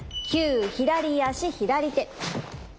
９左足左手。